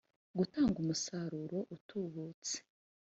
gutanga umusaruro utubutse